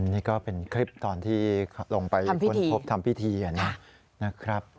นี่ก็เป็นคลิปตอนที่ลงไปค้นพบทำพิธีนะครับ